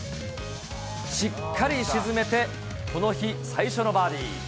しっかり沈めて、この日最初のバーディー。